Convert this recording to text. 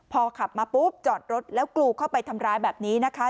พอขับมาปุ๊บจอดรถแล้วกรูเข้าไปทำร้ายแบบนี้นะคะ